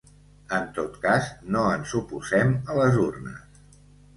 En toc cas no ens oposem a les urnes.